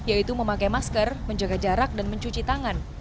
yaitu memakai masker menjaga jarak dan mencuci tangan